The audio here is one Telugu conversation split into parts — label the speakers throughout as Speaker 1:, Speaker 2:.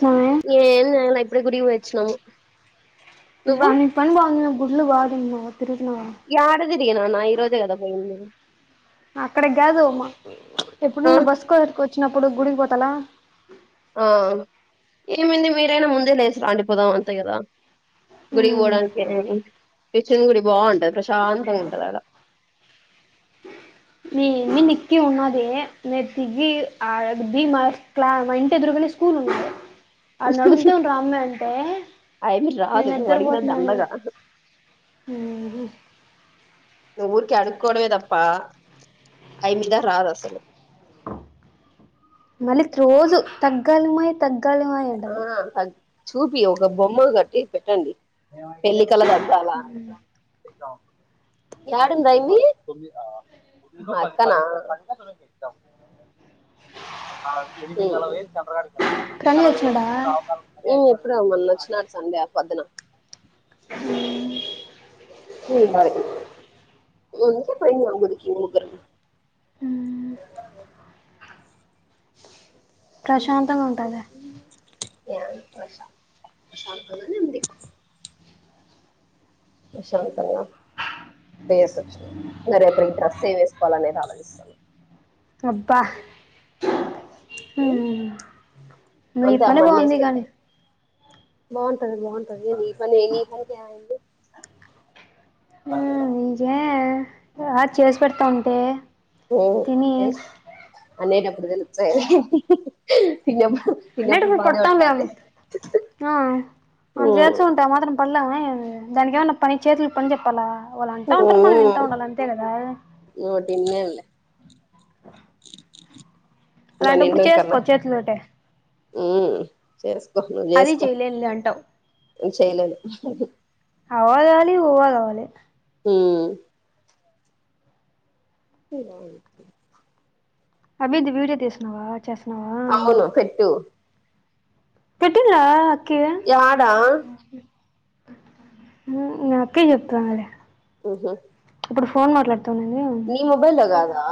Speaker 1: మే
Speaker 2: ఏం చేయలే ఇప్పుడే గుడికి పోయి వచ్చిన
Speaker 1: అబ్బా నీ పని బాగుంది గుళ్ళు బాగా తిన్నావో పెరుగుతున్నావా
Speaker 2: తిరిగిన నా ఈ రోజే కదా పోయింది
Speaker 1: అక్కడికి కాదు మా
Speaker 2: ఆ
Speaker 1: ఎప్పుడున్న బస్సు కడి కో వచ్చినప్పుడు గుడికి పోతాలా
Speaker 2: ఆ ఏమింది మీరైనా ముందే లేసి రాండిపోదాం అంతే కదా గుడికి వొడానికి ఏన ిషన్ గుడి బాగుం ప్రశాంతంగా ఉంటది అడ
Speaker 1: మీ మీ నిక్కి ఉన్నదే మీరు తిగిి ఆ దిగి క్లా మా ఇంటి ఎదురుగనే స్కూల్ ఉన్నది ఆడు నడుగుద్దాం రామ్మే అంటే
Speaker 2: అయమ్మి
Speaker 1: నేను
Speaker 2: రాదు నువ్వు
Speaker 1: నిద్దరు
Speaker 2: అడిగిన
Speaker 1: పోతున్నాను
Speaker 2: దండగా నువు ఊరికే అడుకోడవేదప్పా అఐమిదా రాధాసలు
Speaker 1: మళ్ళీ రోజు తగ్గలమై తగ్గగాలి మాయ డే
Speaker 2: చూపియి ఒక బొమ్మ కట్టి పెట్టండి పెళ్లి కళ తగ్గాల యడుందాయింది ఓ అక్కనా మ్ మ్
Speaker 1: ప్రణయ్ వచ్చినాడా
Speaker 2: అప్పుడ మోన్నచ్చినడు సండే ఆపద్నా
Speaker 1: [inaudible]
Speaker 2: మడీ ఇగో ఇంకే పొయిన గుడికి ముగురం
Speaker 1: అ ప్రశాంతంగా ఉంటదా
Speaker 2: ప్రశాంతంగా నే ఉంది ప్రశాంతంగా పొయెసొచ్చిన ఇగ రేపుడికి డ్రస్ ఏ వేసుకోవాలనేది ఆలోచస్తాన
Speaker 1: అబ్బా నీ
Speaker 2: అంతే
Speaker 1: పని
Speaker 2: అమ్మ అన్ని వేసి
Speaker 1: బాగుంది కనీ
Speaker 2: పెట్టాను బాగుంటది బాగుంటది నీ పని నీ పనికేవైంది
Speaker 1: ఆ నిజే ఆ చేసి పెడతా ఉంటే
Speaker 2: ఏ
Speaker 1: తిని
Speaker 2: ఎస్ అనేట తెలుచాయి
Speaker 1: హన్నెటపుడు పడుతామ్ మేమ్ ఆ అంత ఏచ ఉంట ఆ మాత్రం పడలేమ దానికి ఏమైన్నా పని చేతులు పని చెప్పాలా వాళ్ళు అంటా ఉంటారు మనం వింటా ఉండాలి అంతే కదా
Speaker 2: తిన్నేల
Speaker 1: అలాంటప్పుడు చేసుకో చేత్లుంటే
Speaker 2: చేే
Speaker 1: అది చెయలేధ్ లే అంటవ్
Speaker 2: చేయలేదు
Speaker 1: అవ కావాలి ఉవ్వ కావాలి
Speaker 2: ఊ స
Speaker 1: అమీద్ ది వీడియో తీసినన్నావా చేస్తున్నావా
Speaker 2: అవును కట్
Speaker 1: కట్టిలా కిదా
Speaker 2: యాడా
Speaker 1: నాకే చెప్తా అదే
Speaker 2: ఆహా
Speaker 1: ఇప్పుడు ఫొన్ మాట్లాడడు
Speaker 2: ని మొబైల్లో అ కాదా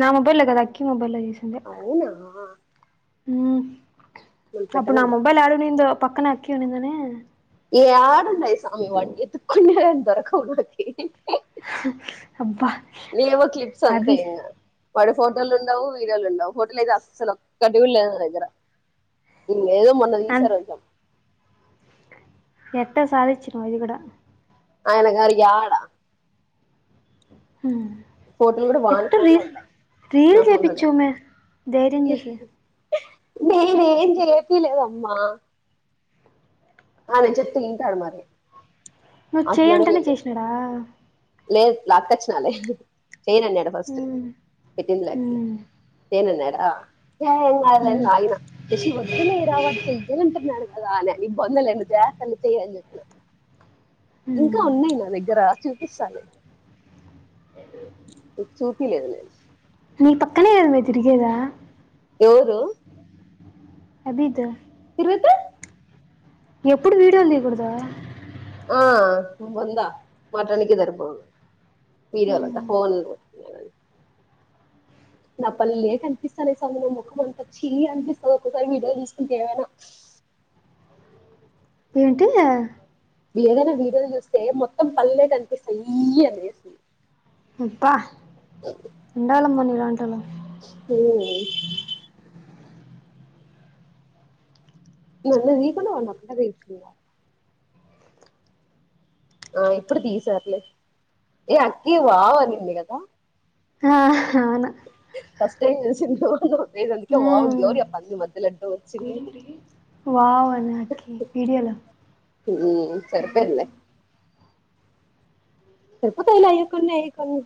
Speaker 1: నా మొబైల్లో కాదు అక్కి మొబైల్లో తి
Speaker 2: అవునా
Speaker 1: హ
Speaker 2: నన్ను
Speaker 1: అప్పుడు నా
Speaker 2: పెట్టమను
Speaker 1: మొబైల్ ఆడు నింధో పక్కనక్కి ఉనిందనే
Speaker 2: యాడున్నాయి సామి వాన్కి ఎతుకున్న జరకవునకి
Speaker 1: హ
Speaker 2: లేవో క్లిప్స్ అంతేయింగ వాడు ఫోటోలు ఉండవు వీడియోలు ఉండవు హోటోల్ అయితే అస్సలు ఒక్కగుటి లేదు నా దగ్గర ఏదో మన్నది
Speaker 1: అన్
Speaker 2: ఈసర్ కొంచం
Speaker 1: ఎట్ట సాధిచ్చినవ్ ఇదిగుడా
Speaker 2: ఆయనగారికి యాడ ఫోటోలు కూడా వాని
Speaker 1: ఎట్
Speaker 2: ఫోన్ లో
Speaker 1: రీస్
Speaker 2: ఉన్నాయి
Speaker 1: రీల్
Speaker 2: నా ఫోన్ లో లేవు
Speaker 1: చేపిచ్చో మే ధైర్యం చేసి
Speaker 2: నేను ఏం చేయ పిలేదమ్మా ఆ నేను చెప్తూ తింటాడు మరి
Speaker 1: నువ్వు
Speaker 2: ఆకిలోనే
Speaker 1: చేయంటేనే చేసినాడా
Speaker 2: లేదు లాక్కచ్చినాలే చైన్ అన్నాడు ఫస్ట్
Speaker 1: ఉమ్
Speaker 2: పెట్టిందిలకి
Speaker 1: ఉమ్
Speaker 2: చైన్ అన్నాడు ఆ ఏం కాదని
Speaker 1: ఉమ్
Speaker 2: లాగిన శశి వద్దలేరా వాడ్ చెయ్యాలంటున్నాడు కదా ఆన బోన్దలేండీ జాస్ అ చేయాలి చెప్న
Speaker 1: ఉమ్
Speaker 2: ఇంకా ఉన్నాయి నా దగ్గర చూ
Speaker 1: ఆహ్
Speaker 2: ఉమ్ చూపి లేదు నేను.
Speaker 1: నీ పక్కనే ఆమె తిరిగేదా.
Speaker 2: ఎవరు
Speaker 1: అబీతో
Speaker 2: తిరుగుతే
Speaker 1: ఎప్పుడు వీడియోలు తీయకూడదా.
Speaker 2: ఆహ్ బోందా మాట్లాడ్నికే సరిపోదు. వీడియోలు అంటా
Speaker 1: ఉమ్
Speaker 2: ఫోన్ లు. నా పని లేట్ అనిపిస్తాలే స్వామి నా ముఖం అంతా చీ అనిపిస్తది ఒకసారి వీడియో తీసుకుంటే ఏమైనా.
Speaker 1: ఎంటియా
Speaker 2: ఏదైనా వీడియో చూస్తే మొత్తం పల్లె కనిపిస్తయి ఈ అని
Speaker 1: అప్పా ఎండళం మని ర దలం
Speaker 2: ఓహో. నన్ను తి కూండా [inaudible] తెచ్చిందా ఆహ్ ఇప్పుడు తీసర్లే ఏ అక్కి బావానింది కదా.
Speaker 1: ఆహ్ అవునా.
Speaker 2: ఫస్ట్ టైం చూస్తున్నా
Speaker 1: ఉమ్ వావ్ అనే అక్కి వీడియోలో
Speaker 2: ఉమ్ సరిపోయిందిలే. చెప్పు తో అయ్యే కొన్ని అయిపోవు.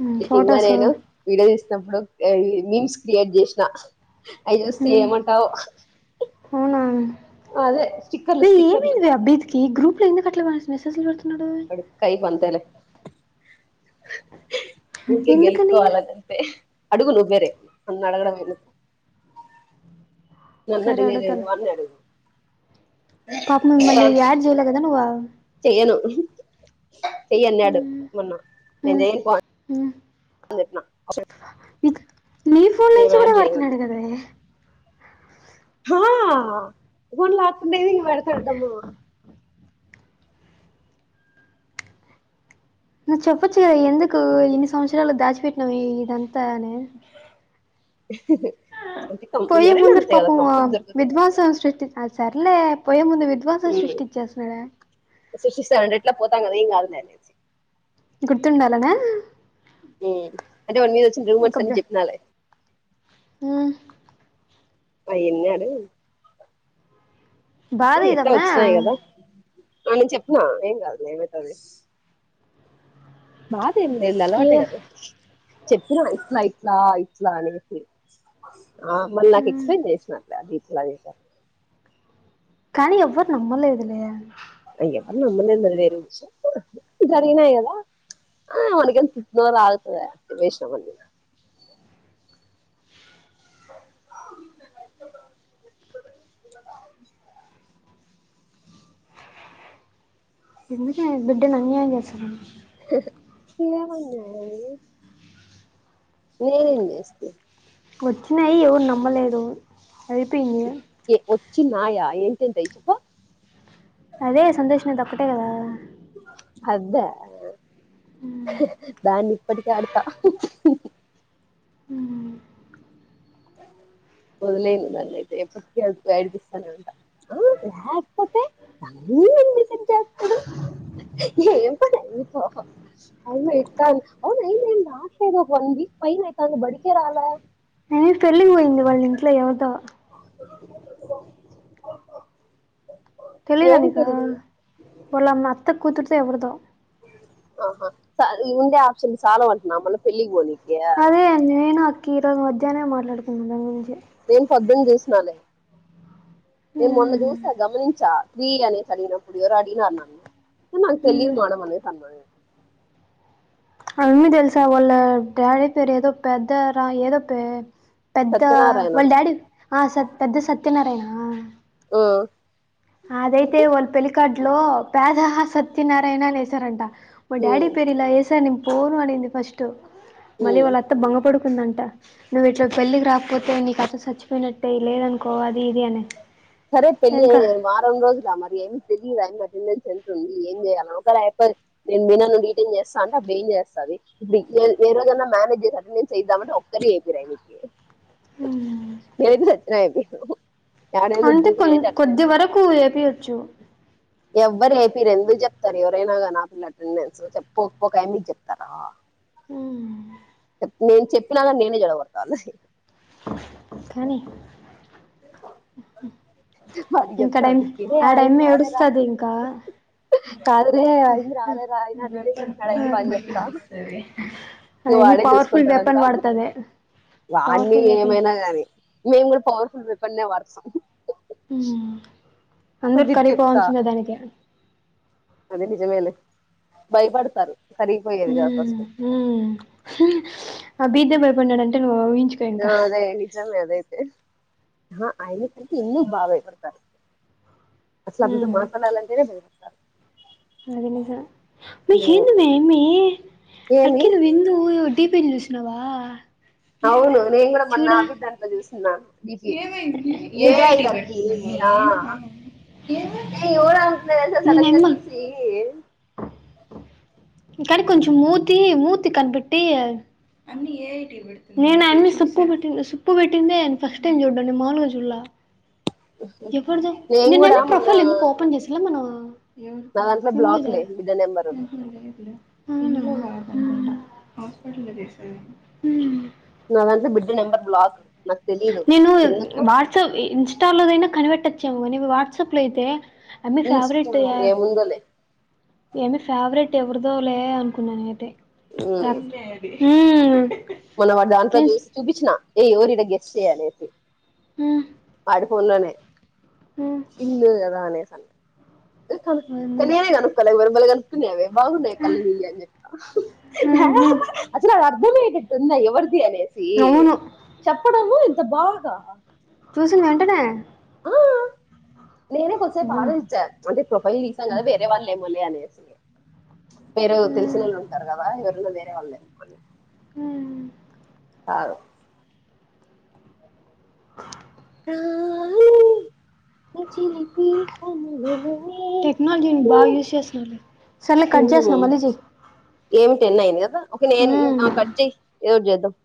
Speaker 1: ఉమ్,
Speaker 2: ఇంకా
Speaker 1: ఫొటోస్
Speaker 2: నేను వీడియో తీస్. ఇప్పుడు ఏయ్ మీమ్స్ క్రియేట్ చేసిన. అయ్యోస్
Speaker 1: ఉమ్,
Speaker 2: చేయమంటావో
Speaker 1: అవునా
Speaker 2: అదే స్టిక్కర్లు
Speaker 1: వే
Speaker 2: స్టిక్కర్లు.
Speaker 1: మెసేజులు పెడ్
Speaker 2: వాడు టైపు అంతేలే. ఆహ్ ఊకే
Speaker 1: ఎందుకని
Speaker 2: గెలుక్కోవాలని అంతే. అడుగు నువ్వే రే నన్ను అడగడం ఎందుకు. నన్నడిగేదేంది వాణ్ణే అడుగు.
Speaker 1: పాపం మళ్లీ యాడ్ చేయలేదు కదా నువ్వు.
Speaker 2: ఏను చెయ్యి అన్నాడు
Speaker 1: ఉమ్,
Speaker 2: మొన్న నేను
Speaker 1: ఉమ్,
Speaker 2: చెయ్యను పో అని అన్న.
Speaker 1: ఉక్. నీ ఫోన్లో నుంచి కూడా వాడుతున్నాడు కదావే.
Speaker 2: ఆహ్ హ. వన్ లాక్ మేబి పడతాడు అడ్డము.
Speaker 1: నువ్వు చెప్పొచ్చు కదా ఎందుకు ఇన్ని సంవత్సరాలు దాచిపెట్టినావు ఇదంతా అని.
Speaker 2: అంటే కం
Speaker 1: పోయే
Speaker 2: ఎవరైనా
Speaker 1: ముందర
Speaker 2: అంతే కదా
Speaker 1: పాపం
Speaker 2: కంఫర్ట్ దొరికితే
Speaker 1: విద్వాసం సృష్టించ్. అ సర్లే పోయే ముందు విద్వాసం సృష్టించేస్తున్నాడ
Speaker 2: సృష్టిస్తనాడు ఎట్ల పోతాం కదా ఏం కాదులే అనేసి
Speaker 1: ఎతుండాలనే
Speaker 2: అంటే వాని మీద వచ్చిన రూమర్స్ అన్ని చెప్పినాలే
Speaker 1: ఆ
Speaker 2: అయి ఇన్నాడు
Speaker 1: బావేదమ్మ.
Speaker 2: వచ్చినాయి కదా ఆ నేను చెప్పిన ఏం కాదులే ఏమైతది బ ఇల్ ఇల్
Speaker 1: ఏ
Speaker 2: అలవాటే గద చెప్పిన ఇట్లా ఇట్లా ఇట్లా అనేసి ఆ మళ్ళ నాకు
Speaker 1: మ్,
Speaker 2: ఎక్స్ప్లెయిన్ చేసినారు అది ఇట్ల చేస
Speaker 1: కానీ ఎవరు నమ్మలేదు లే
Speaker 2: అన్ను లొల్లి ఏందో అది వేరు విషయం జరిగినాయి కదా ఆ మనకెంత నోరు ఆగుతద వేషిన మంది
Speaker 1: ఎందుకే బిడ్డని అన్యాయం చేస్తా
Speaker 2: ఏమైంది ఆరోజు
Speaker 1: వచ్చినాయి ఎవరు నమ్మలేదు అయిపోయింది
Speaker 2: ఏ వచ్చి నాయ ఏంటి ఎంతయి చప్ప
Speaker 1: అదే సంతోష న్నది ఒకటే కదా
Speaker 2: అద
Speaker 1: మ్,
Speaker 2: దాన్ని ఇప్పటికే ఆడతా
Speaker 1: ఉ
Speaker 2: వదిలేయండి నన్నైతే ఎప్పటికి ఏడ్పిస్తనే ఉంటా ఆ లేకపోతే [unintelligible] అవునుయి ఆ ఒక వ వీక్ ఫైన అయితాంది బడికేరాలే
Speaker 1: నీ పెళ్లికి పోయింది వాళ్ళ ఇంట్లో ఎవరిదో తెలిదా
Speaker 2: ఏం
Speaker 1: నీకు
Speaker 2: పెళ్ళి
Speaker 1: వాళ్లమ్మ అత్త కూతురు ఎవరిదో
Speaker 2: ఆహా సాలు ఇవుండే ఆప్షన్లు సాల వంటనా మళ్ళ పెళ్ళికి పోని
Speaker 1: అదే నేను అక ఈరోజు మధ్యనామె మాట్లాడుకున్న దాని గురించి
Speaker 2: తేం ఫ డ్రింక్ చేసినాలే నేను మొన్న
Speaker 1: మ్,
Speaker 2: చూసా గమనించా త్రీ అనేసి అడినప్పుడు ఎవరో అడినారు నన్న నాకు
Speaker 1: మ్.
Speaker 2: తెలియర్ మానం వంద తమ్
Speaker 1: అవన్నీ తెలుసా వాళ్ళ డాడీ పేరు ఏదో పెద్ద రా ఏదో ప పెద్ద
Speaker 2: సత్యనారాయణ
Speaker 1: వాళ్ళ డాడీ ఆ సత్ పెద్ద సత్ తినరేనా
Speaker 2: ఓ
Speaker 1: అదైతే వాల్ పెళ్ళి కార్డు ఇంట్లో పెదహ సత్యనారాయణ అని ఎసారంట మా
Speaker 2: ఉ
Speaker 1: డాడి పేరు ఇలా ఏసా అని పోను అడింది ఫస్టు
Speaker 2: ఉ
Speaker 1: మళ్ళీ వాళ్ళ అత్త భొంగపడుకుందంట నువ్వు ఇట్ల పెళ్ళికి రాకపోతే నీ కథ చచ్చిపోయినట్టే లేదనుకోవాలి ఇది అనే
Speaker 2: సరే పెళ్లిి అ వారం రోజు మరి ఏ తెలియ అెండెన్స్ ఎంతతుంది ఏం చేయాలి ఒకే మ మీ ీటైన్ చేస్తా అంటే అప్పుడు ఏం చేస్తంది ఇప్పుడు ఏే రోజనా మేనేజ్ చే అటెండెన్స్ చేయిద్దామంటే ఒక్కరిే అయిపోరాకి
Speaker 1: "ఉమ్,
Speaker 2: ఎద్ సచ్చిన ఇది ఎడేద
Speaker 1: అంటే కొద్ది వరకు ఏపియచ్చు టు
Speaker 2: ఎవ్వరు ఏపీరు ఎందుకు చెప్తారు ఎవరైనా కానీ పిల్ల అటెండెన్స్ చెప్పుకోకపోక మీకు చెప్తారా
Speaker 1: "ఉమ్,
Speaker 2: నేను చెప్పినాక నేనే చెడ గొడుత ఆళ్లని
Speaker 1: కానీ
Speaker 2: [inaudible] అని
Speaker 1: ఇంకా
Speaker 2: చెప్తా
Speaker 1: డైమ్
Speaker 2: మీకి అయింది
Speaker 1: ఆడయమ్మి
Speaker 2: రాలేరా
Speaker 1: ఏడుస్తది ఇంకా
Speaker 2: కాదురే అయింది రాలేరా ఆయనాడినడ ఎప్ప అని చెప్తా నువ్వు
Speaker 1: అయమ్మి
Speaker 2: వాడే
Speaker 1: పవర్ఫుల్ వెపన్
Speaker 2: చూసుకుంటాడంతా
Speaker 1: వాడుతది
Speaker 2: వాన్ని
Speaker 1: పవర్ఫుల్ వెపన్
Speaker 2: ఏమైనా కానీ మేము కూడా పవర్ఫుల్ వెపన్నే వాడతాం
Speaker 1: మ్మ్ అందరు
Speaker 2: ఇది
Speaker 1: కరిపోవాల్సిందే దానికి
Speaker 2: అదే నిజమేలే భయపడుతారు
Speaker 1: మ్మ్ మ్మ్ అభి [unintelligible] పన్నడంటే నువ్
Speaker 2: అదే నిజంగా అదైతే ఆ ఐదు రతి ఇన్న బాగాైబర్తారు అసలు అంత మాట్లాడాల అంతేనే బయస్తారు
Speaker 1: ఆది నిజమే మై ఏందీ మై ఈ అమ్మాయి
Speaker 2: ఏమి
Speaker 1: అక్కి నువ్వేలు డీపీ చూసినవా
Speaker 2: అవును నేను కూడా మొన్న అభిదలో చూస్తున్నాను పి ఏఐదు అక్కకి ఆ ఏ ఊరు అతున్నారు తెసా సడన్ గా చూసి
Speaker 1: ఇకానీ కొంచం మూతి ముతీ కనిపెట్టి నేను అన్ని సప్పు పెట్టి సప్పు పెట్టింద ఫస్ట్ టై చూడ్డా మాలుగ చులా ఎప్పుడుదుో
Speaker 2: నేను కూడా
Speaker 1: నిన్నమ
Speaker 2: మొన్న
Speaker 1: ప్రొఫైల్ ఎందుకు ఓపెన్ చేసలా మనం ఆ ఎ ఉంది దా
Speaker 2: ఇద నెంబరు
Speaker 1: హస్పిటల్కి మ్మ్
Speaker 2: నా దాంట్లో బిడ్జ నెంబర్ బ్లాక్ నాకు తెలీదు
Speaker 1: నేను
Speaker 2: ఎందుకు
Speaker 1: వాట్సప్ ఇస్ ఇటాదనా కనిపెట్టొచ్చాము కానీ వాట్సాప్ లో అయితే అమ
Speaker 2: ఇన్స్టా
Speaker 1: ఫెవరెట్
Speaker 2: ఏముందోలే
Speaker 1: ఎమి ఫెవరెట్ ఎవరిదో లే అనుకున్నాను అయితే సందే అది మ్మ్
Speaker 2: మనం వాడు దాంట్లో
Speaker 1: ఎస్
Speaker 2: చూసి చూపించిన ఎవరు ఈడ గెస్ చే అన్నేసి
Speaker 1: మ్మ్
Speaker 2: ఫోన్లోనే
Speaker 1: మ్మ్.
Speaker 2: ఇల్ అదనేే చల నీనే కనుక్కాల బమలు కనుక్కున్నా అవే బాగున్నాయి
Speaker 1: మ్మ్.
Speaker 2: కళ్ళునీీళ్ళ అ చెప్ప
Speaker 1: మ్మ్.
Speaker 2: అసలు అవి అర్థమేటట్టున్నాయి ది అనేసి
Speaker 1: అవును
Speaker 2: చెప్పడము బాధదా
Speaker 1: చూసిన వెంటనే
Speaker 2: నేనే కొంసేపు
Speaker 1: ఉమ్,
Speaker 2: ఆలోచించ్చా అంటే ప్రొఫైల్ తీసా కదా వేరే వాళ్ళలే మోలే అనే మీరు
Speaker 1: ఉమ్,
Speaker 2: తెలిసిన వాళ్ళు ఉంటారు కదా ఎవరినా వేరే వాళ్ళు
Speaker 1: ఉమ్.
Speaker 2: అవ్ ఆ
Speaker 1: టెక్నాలజీని బాగా యూజ్ చేస్తున్నారు సర్లే కట్ చేస్తున్నా మళ్ళీ చెయ్యి
Speaker 2: ఏమిటిన్నాయికదా
Speaker 1: ఉమ్.
Speaker 2: అసలు కట్ చేయి ఎదోటి చేద్దాం